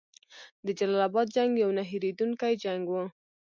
د جلال اباد جنګ یو نه هیریدونکی جنګ وو.